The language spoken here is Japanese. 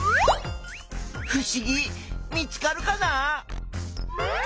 ふしぎ見つかるかな？